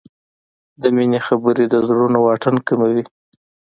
د مینې خبرې د زړونو واټن کموي.